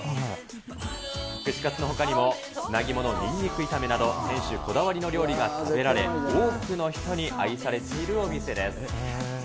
串かつのほかにも砂肝のにんにく炒めなど、店主こだわりの料理が食べられ、多くの人に愛されているお店です。